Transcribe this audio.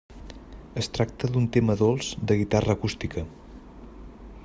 Es tracta d'un tema dolç de guitarra acústica.